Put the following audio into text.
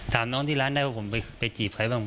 ถามน้องที่ร้านได้ว่าผมไปจีบใครบ้าง